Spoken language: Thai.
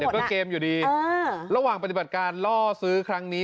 ก็เกมอยู่ดีระหว่างปฏิบัติการล่อซื้อครั้งนี้